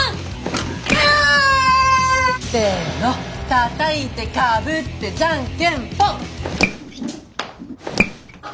たたいてかぶってじゃんけんぽん！